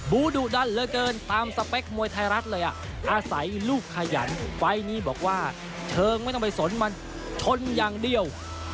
ูดุดันเหลือเกินตามสเปคมวยไทยรัฐเลยอ่ะอาศัยลูกขยันไฟล์นี้บอกว่าเชิงไม่ต้องไปสนมันชนอย่างเดียว